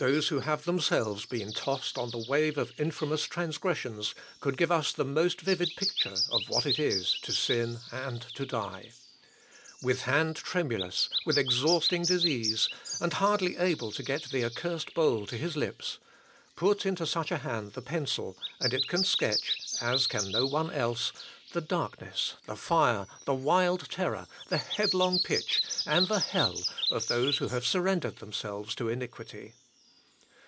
Those who have themselves been tossed on the wave of infamous transgressions could give us the most vivid picture of what it is to sin and to die. With hand tremulous with exhausting disease, and hardly able to get the accursed bowl to his lips put into such a hand the pencil, and it can sketch, as can no one else, the darkness, the fire, the wild terror, the headlong pitch, and the hell of those who have surrendered themselves to iniquity.